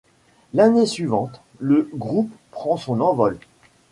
L'année suivante, le groupe prend son envol.